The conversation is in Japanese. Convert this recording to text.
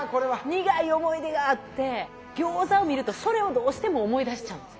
苦い思い出があって餃子を見るとそれをどうしても思い出しちゃうんです。